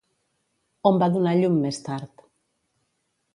On va donar llum més tard?